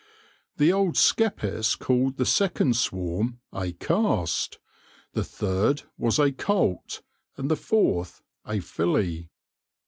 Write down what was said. The old skeppists called the second swarm a " cast/' the third was a " colt," and the fourth a " filly."